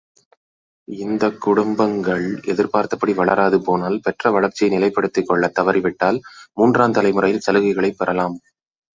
இந்தக் குடும்பங்கள் எதிர்ப்பார்த்தபடி வளராது போனால் பெற்ற வளர்ச்சியை நிலைப்படுத்திக் கொள்ளத் தவறிவிட்டால் மூன்றாந் தலைமுறையில் சலுகைகளைப் பெறலாம்.